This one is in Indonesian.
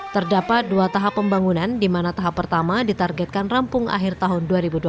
terdapat dua tahap pembangunan di mana tahap pertama ditargetkan rampung akhir tahun dua ribu dua puluh